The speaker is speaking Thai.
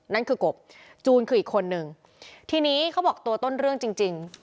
นั่นคือกบจูนคืออีกคนนึงทีนี้เขาบอกตัวต้นเรื่องจริงจริง